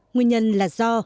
nguyên nhân là do